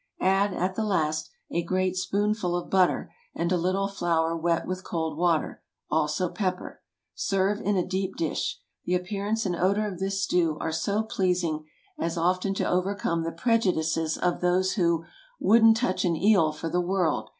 Add, at the last, a great spoonful of butter, and a little flour wet with cold water, also pepper. Serve in a deep dish. The appearance and odor of this stew are so pleasing as often to overcome the prejudices of those who "Wouldn't touch an eel for the world!